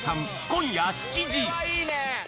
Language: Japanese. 今夜７時。